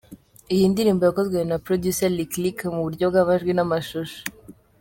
Iyi ndirimbo yakozwe na Producer Lick Lick mu buryo bw’amajwi n’amashusho.